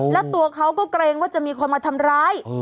แล้วตัวเขาก็เกรงว่าจะมีคนมาทำร้าย